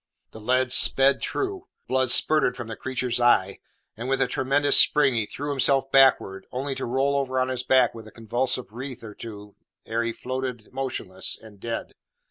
The lead sped true; the blood spirted from the creature's eye, and with a tremendous spring he threw himself backward, only to roll over on his back with a convulsive writhe or two ere he floated motionless and dead.